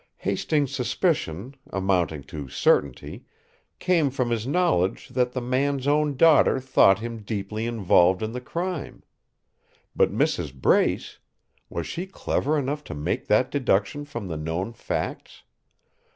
Hastings' suspicion, amounting to certainty, came from his knowledge that the man's own daughter thought him deeply involved in the crime. But Mrs. Brace was she clever enough to make that deduction from the known facts?